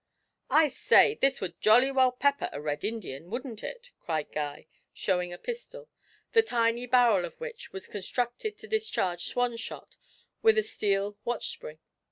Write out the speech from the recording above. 'I say, this would jolly well pepper a Red Indian, wouldn't it!' cried Guy, showing a pistol, the tiny barrel of which was constructed to discharge swanshot with a steel watch spring.